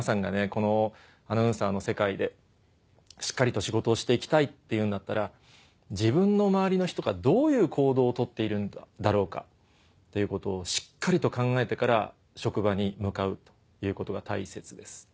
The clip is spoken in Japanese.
このアナウンサーの世界でしっかりと仕事をして行きたいっていうんだったら自分の周りの人がどういう行動をとっているんだろうかということをしっかりと考えてから職場に向かうということが大切です。